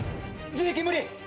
自力無理？